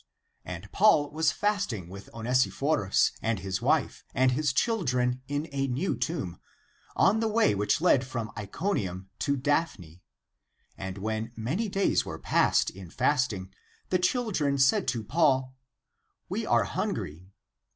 And Paul was fasting with Onesiphorus and his wife, and his children, in a new tomb, on the way which led from Iconium to Daphne. And when many days were past in fasting, the children said to Paul :" We are hungry."